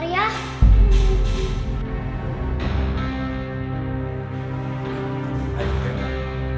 aku hanya pertama